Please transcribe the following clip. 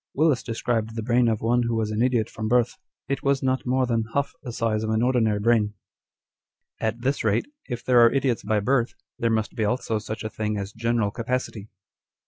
Willis described the brain of one who was an idiot from birth. It was not more than half the size of an ordinary brain." 2 At this rate, if there are idiots by birth, there must be also such a thing as general capacity.